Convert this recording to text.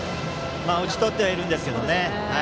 打ち取ってはいるんですが。